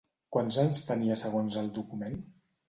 Quants anys tenia segons el document?